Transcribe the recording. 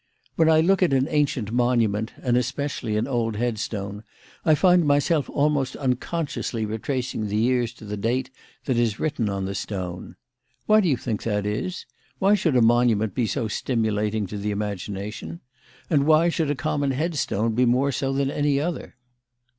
When I look at an ancient monument, and especially an old headstone, I find myself almost unconsciously retracing the years to the date that is written on the stone. Why do you think that is? Why should a monument be so stimulating to the imagination? And why should a common headstone be more so than any other?"